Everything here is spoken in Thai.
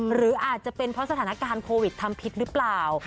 หรืออาจจะเป็นเพราะสถานการณ์โควิดทำพิษหรือเปล่า